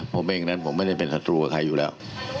ผมเองนั้นผมไม่ได้เป็นศัตรูกับใครอยู่แล้ว